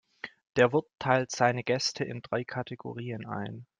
Der Wirt teilt seine Gäste in drei Kategorien ein.